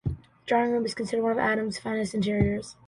The drawing room is considered one of Adam's finest interiors.